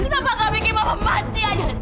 kenapa gak bikin mama mati aja sekalian tanti